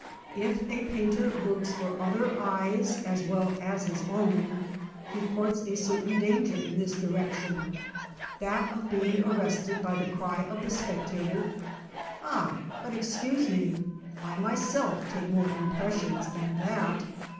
If a painter works for other eyes as well as his own, he courts a certain danger in this direction â that of being arrested by the cry of the spectator: "Ah! but excuse me; I myself take more impressions than that."